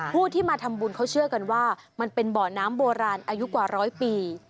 ผู้ที่มาทำบุญเขาเชื่อกันว่ามันเป็นบ่อน้ำโบราณอายุกว่าร้อยปี